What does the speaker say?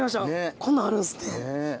こんなんあるんですね。